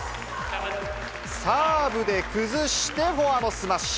サーブで崩してフォアのスマッシュ。